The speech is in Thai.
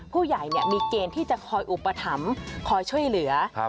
ผู้ใหญ่มีเกณฑ์ที่จะคอยอุปถัมภ์คอยช่วยเหลือ